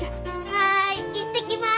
はい行ってきます。